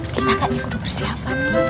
kita kayaknya udah bersiapan